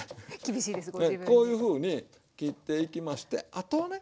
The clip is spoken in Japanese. こういうふうに切っていきましてあとはね